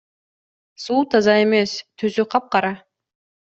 Суу таза эмес, түсү капкара.